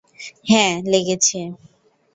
হ্যাঁ, লেগেছে!